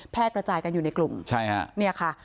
แพทย์ประจายกันอยู่ในกลุ่มนี่ค่ะ